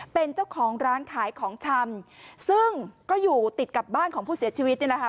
เป็นเจ้าของร้านขายของชำซึ่งก็อยู่ติดกับบ้านของผู้เสียชีวิตนี่แหละค่ะ